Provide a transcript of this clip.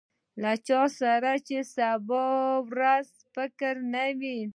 له چا سره چې د سبا ورځې فکر نه وي.